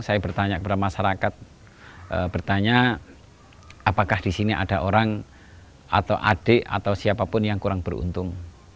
saya bertanya kepada masyarakat bertanya apakah di sini ada orang atau adik atau siapapun yang kurang beruntung